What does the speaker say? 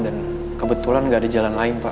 dan kebetulan gak ada jalan lain pak